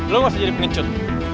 lo gak usah jadi pengecut